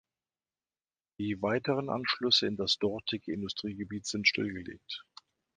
Die weiteren Anschlüsse in das dortige Industriegebiet sind stillgelegt.